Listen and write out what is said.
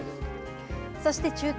そして中継。